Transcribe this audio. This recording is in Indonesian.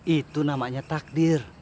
itu namanya takdir